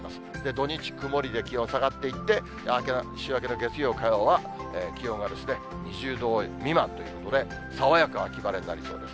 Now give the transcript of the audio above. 土日曇りで、気温下がっていって、週明けの月曜、火曜は気温は２０度未満ということで、爽やか、秋晴れになりそうです。